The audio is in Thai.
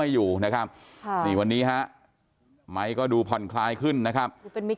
อายุ๒๗ขออภัยนะครับ